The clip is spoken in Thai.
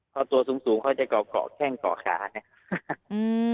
พอตัวสูงเขาจะเกาะเกาะแข้งเกาะขาเนี่ย